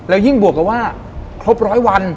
ยิ่งบวกกับว่าครบร้อยวัน